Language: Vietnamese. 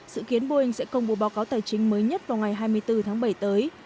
dự kiến boeing sẽ công bố báo cáo tài chính mới nhất vào ngày hai mươi bốn tháng bảy tới